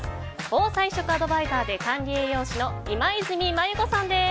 防災食アドバイザーで管理栄養士の今泉マユ子さんです。